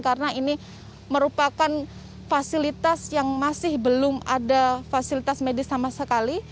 karena ini merupakan fasilitas yang masih belum ada fasilitas medis sama sekali